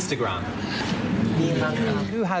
๓แสนกว่า